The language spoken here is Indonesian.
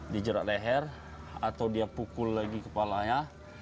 dijerat leher atau dia pukul lagi kepalanya